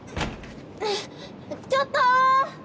ちょっとー！